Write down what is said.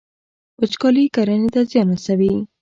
وچکالي کرنې ته زیان رسوي.